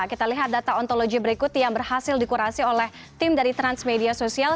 kita lihat data ontologi berikut yang berhasil dikurasi oleh tim dari transmedia sosial